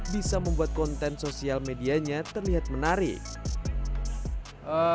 bisa membuat konten sosial medianya terlihat menarik